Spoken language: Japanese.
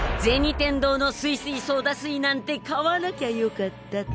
天堂のすいすいソーダ水なんて買わなきゃよかった！